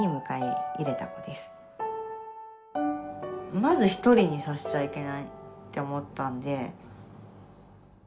まず一人にさせちゃいけないって思ったんで。